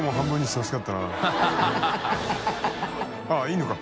あっいいのか。